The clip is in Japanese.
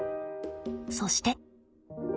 そして。